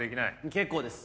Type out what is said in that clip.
結構です